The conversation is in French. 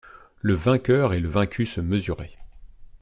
Le vainqueur et le vaincu se mesuraient.